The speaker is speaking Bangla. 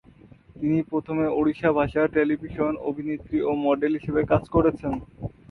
তিনি প্রথমে ওড়িয়া ভাষার টেলিভিশন অভিনেত্রী ও মডেল হিসাবে কাজ করেছেন।